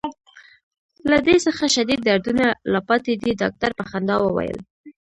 له دې څخه شدید دردونه لا پاتې دي. ډاکټر په خندا وویل.